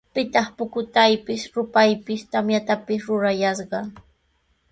¿Pitaq pukutaypis, rupaypis, tamyatapis rurallashqa?